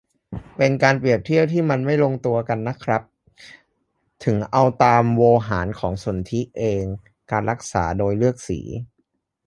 เป็นการเปรียบเทียบที่มันไม่ลงตัวกันน่ะครับ - ถึงเอาตามโวหารของสนธิเอง การรักษาโดยเลือกสี